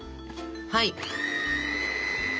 はい。